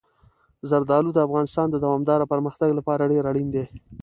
زردالو د افغانستان د دوامداره پرمختګ لپاره ډېر اړین دي.